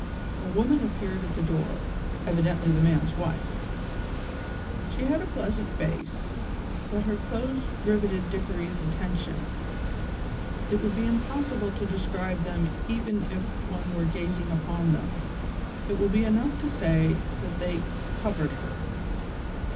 A woman appeared at the door, evidently the man's wife. She had a pleasant face, but her clothes riveted Dickory's attention. It would be impossible to describe them even if one were gazing upon them. It will be enough to say that they covered her.